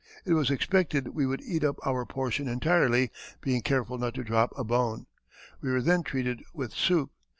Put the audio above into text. It was expected we would eat up our portion entirely, being careful not to drop a bone. We were then treated with soup.